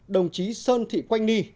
đồng chí sơn thị quanh ni